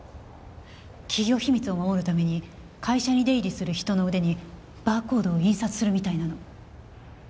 企業秘密を守るために会社に出入りする人の腕にバーコードを印刷するみたいなの。